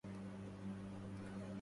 أتحاربون الله في جبروته